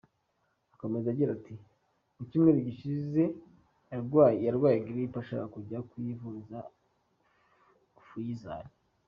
Akomeza agira ati” Mu cyumweru gishize yarwaye ‘giripe’ ashaka kujya kuyivuriza Fayisali.